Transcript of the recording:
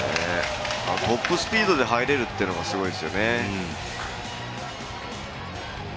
トップスピードで入れるというのがすごいですよね。